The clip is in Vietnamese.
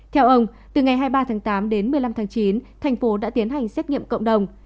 theo ông từ ngày hai mươi ba tháng tám đến một mươi năm tháng chín thành phố đã tiến hành xét nghiệm cộng đồng